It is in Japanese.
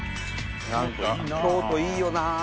何か京都いいよな。